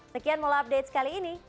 sekian mulaupdates kali ini